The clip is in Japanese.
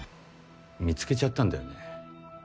見つけちゃったんだよね。